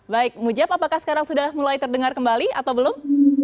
baik mujab apakah sekarang sudah mulai terdengar kembali atau belum